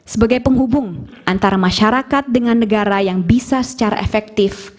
sebagai penghubung antara masyarakat dengan negara yang bisa secara efektif